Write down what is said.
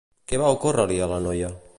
Què va ocórrer-li a la noia?